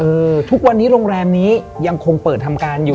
ทุกวันนี้โรงแรมนี้ยังคงเปิดทำการอยู่